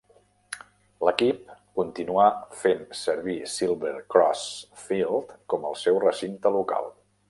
L'equip continuar fent servir Silver Cross Field com el seu recinte local.